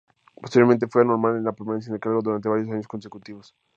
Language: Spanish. Posteriormente fue normal la permanencia en el cargo durante varios años consecutivos.